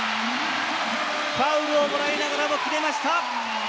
ファウルをもらいながらも決めました！